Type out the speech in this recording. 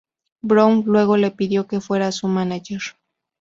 Brown luego le pidió que fuera su mánager.